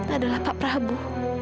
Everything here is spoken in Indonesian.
adalah pak prabu